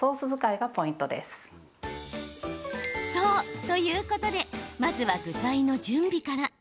そう、ということでまずは具材の準備から。